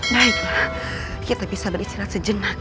baiklah kita bisa beristirahat sejenak